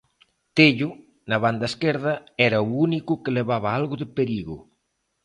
Tello, na banda esquerda, era o único que levaba algo de perigo.